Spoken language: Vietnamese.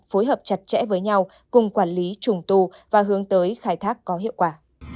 phối hợp chặt chẽ với nhau cùng quản lý trùng tu và hướng tới khai thác có hiệu quả